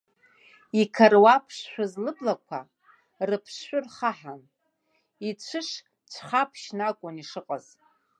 Иқаруаԥшшәыз лыблақәа, рыԥшшәы рхаҳан, ицәыш-цәхаԥшьны акәын ишыҟаз.